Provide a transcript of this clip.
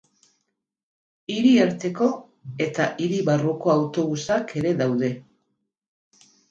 Hiriarteko eta hiri barruko autobusak ere daude.